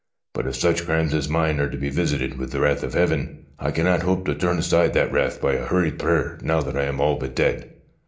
But if such crimes as mine are to be visited with the wrath of heaven, I cannot hope to turn aside that wrath by a hurried prayer now that I am all but dead.